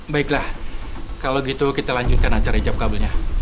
baiklah kalau gitu kita lanjutkan acara hijab kabunya